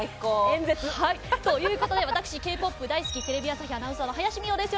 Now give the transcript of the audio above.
演説。という事で私Ｋ−ＰＯＰ大好きテレビ朝日アナウンサーの林美桜です。